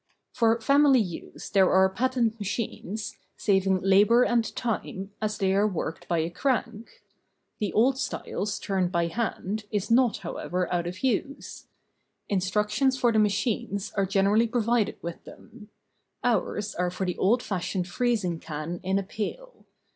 For family use there are patent machines, saving labor and time, as they are worked by a crank. The old styles turned by hand, is not, however, out of use. Instruction, 6 THE BOOK OF ICES. for the machines are generally provided with them; ours are for the old fashioned freezing can in a pail.